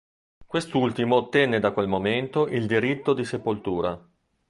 Quest'ultimo ottenne da quel momento il diritto di sepoltura.